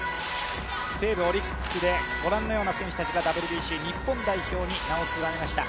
西武、オリックスでご覧のような選手たちがＷＢＣ、日本代表に名を連ねました。